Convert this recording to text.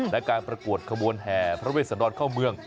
และการประกวดขบวนแห่พระเวสดรเข้าเมือง